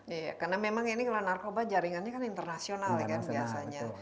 iya karena memang ini kalau narkoba jaringannya kan internasional ya kan biasanya